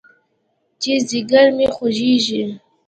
چې ځيگر مې خوږېږي.